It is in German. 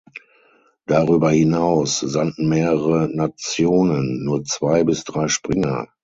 Darüber hinaus sandten mehrere Nationen nur zwei bis drei Springer.